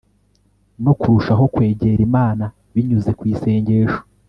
no kurushaho kwegera imana binyuze ku isengesho